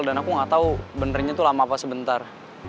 dan aku nggak tahu benernya tuh lama apa sebentar